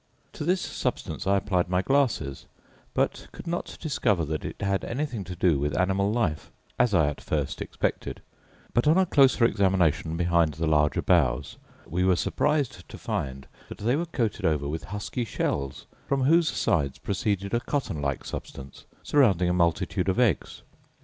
To this substance I applied my glasses; but could not discover that it had anything to do with animal life, as I at first expected: but, upon a closer examination behind the larger boughs, we were surprised to find that they were coated over with husky shells, from whose sides proceeded a cotton like substance, surrounding a multitude of eggs.